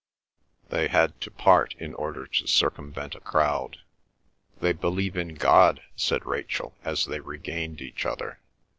They had to part in order to circumvent a crowd. "They believe in God," said Rachel as they regained each other.